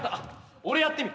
俺やってみる。